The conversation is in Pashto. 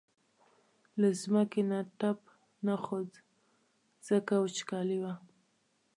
له ځمکې نه تپ نه خوت ځکه وچکالي وه.